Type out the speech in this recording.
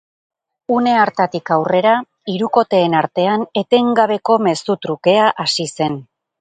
Une hartatik aurrera, hirukoteen artean etengabeko mezu trukea hasi zen.